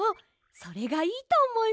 それがいいとおもいます！